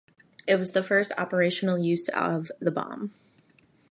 It was the first operational use of the bomb.